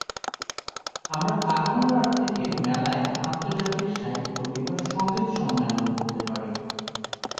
আমরা আগামীবার থেকে মেলায় আন্তর্জাতিক সাহিত্য কিংবা সংগীত সম্মেলন করতে পারি।